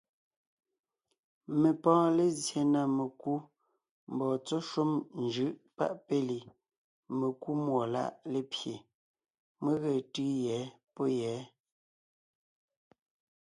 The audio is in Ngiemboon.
Mé pɔ́ɔn lézye na mekú mbɔɔ tsɔ́ shúm njʉ́ʼ páʼ péli, mekúmúɔláʼ lépye, mé ge tʉ́ʉ yɛ̌ pɔ̌ yɛ̌.